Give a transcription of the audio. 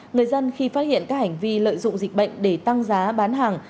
người dân khi phát hiện các hành vi lợi dụng dịch bệnh để tăng giá bán hàng